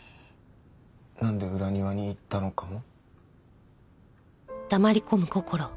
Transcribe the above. なんで裏庭に行ったのかも？